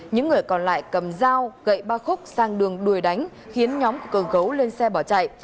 những người còn lại cầm dao gậy ba khúc sang đường đuôi đánh khiến nhóm cường gấu lên xe bỏ chạy